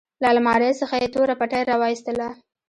له المارۍ څخه يې توره پټۍ راوايستله.